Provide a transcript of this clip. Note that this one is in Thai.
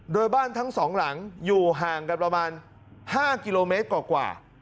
โดยบ้านทั้งสองหลังอยู่ห่างกันประมาณ๕กิโลเมตรกว่า